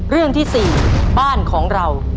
เรื่องที่๔บ้านของเรา